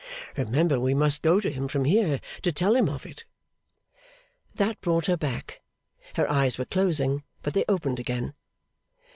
Remember we must go to him from here, to tell him of it!' That brought her back. Her eyes were closing, but they opened again.